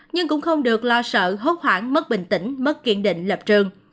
nhưng cũng không được lo sợ hốt hoảng mất bình tĩnh mất kiên định lập trường